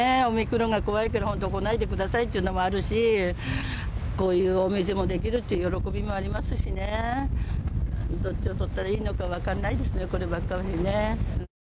オミクロンが怖いから来ないでくださいというのもあるし、こういうお店もできるっていう喜びもありますしどっちをとったらいいのか分からないですね、こればっかりはね。